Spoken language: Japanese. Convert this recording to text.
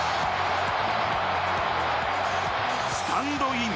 スタンドイン。